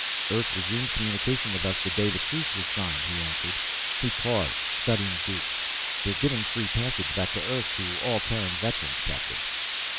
"Earth resumed communication with us the day the truce was signed," he answered. He paused, studying Duke. "They're giving free passage back to Earth to all terran veterans, captain."